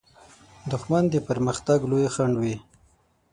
دښمن د پرمختګ لوی خنډ وي